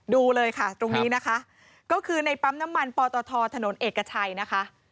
ดูเลยค่ะตรงนี้นะคะก็คือในปั๊มน้ำมันปตทถนนเอกชัยนะคะ